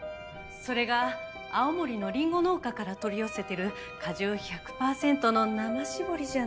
それが青森のリンゴ農家から取り寄せてる果汁１００パーセントの生搾りじゃないと。